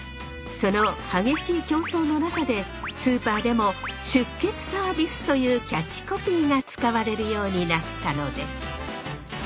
その激しい競争の中でスーパーでも「出血サービス」というキャッチコピーが使われるようになったのです。